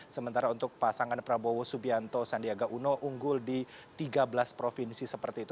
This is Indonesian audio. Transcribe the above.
sementara untuk pasangan prabowo subianto sandiaga uno unggul di tiga belas provinsi seperti itu